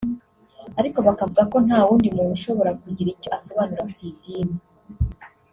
ariko bakavuga ko nta wundi muntu ushobora kugira icyo asobanura ku idini